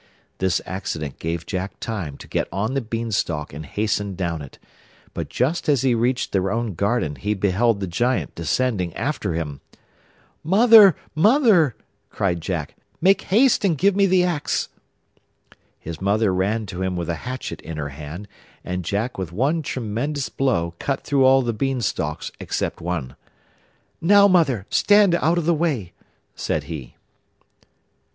This accident gave Jack time to get on the Beanstalk and hasten down it; but just as he reached their own garden he beheld the Giant descending after him. 'Mother I mother!' cried Jack, 'make haste and give me the axe.' His mother ran to him with a hatchet in her hand, and Jack with one tremendous blow cut through all the Beanstalks except one. 'Now, mother, stand out of the way!' said he.